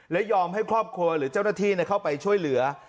และยอมให้ครอบครัวหรือเจ้าหน้าที่เข้าไปช่วยเหลือ